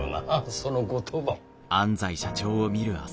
その言葉。